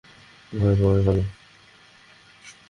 ভয় পাওয়াই ভালো।